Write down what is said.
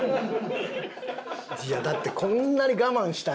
いやだってこんなに我慢したんやもん。